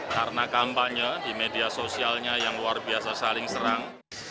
karena kampanye di media sosialnya yang luar biasa saling serang